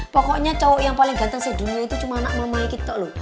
pokoknya cowok yang paling ganteng di dunia itu cuma anak mama gitu